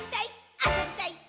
「あそびたいっ！！」